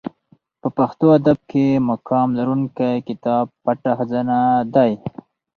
په پښتو ادب کښي مقام لرونکى کتاب پټه خزانه دئ.